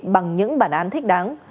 bằng những bản án thích đáng